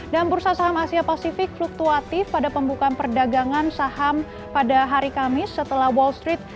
bursa saham asia pasifik fluktuatif pada pembukaan perdagangan saham pada hari kamis setelah wall street